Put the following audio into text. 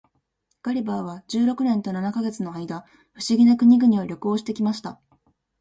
ガリバーは十六年と七ヵ月の間、不思議な国々を旅行して来ました。